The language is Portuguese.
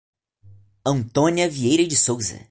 Antônia Vieira de Souza